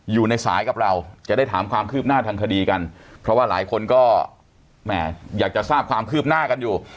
อยู่ในสายกับเราจะได้ถามความคืบหน้าทางคดีกันเพราะว่าหลายคนก็แหมอยากจะทราบความคืบหน้ากันอยู่